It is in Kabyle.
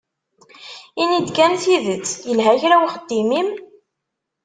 Ini-d kan tidet, yelha kra uxeddim-im?